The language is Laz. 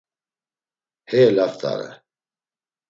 Hey eleft̆are.